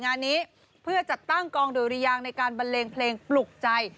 งานนี้เพื่อจัดตั้งกองดุริยางในการบันเลงเพลงปลุกใจ